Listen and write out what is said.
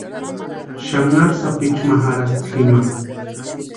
Xanharu sapichu ma jarhasti jima.